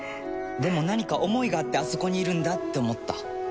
でも何か思いがあってあそこにいるんだって思った。